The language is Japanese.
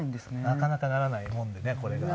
なかなかならないもんでねこれが。